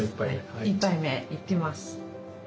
１杯目いきます。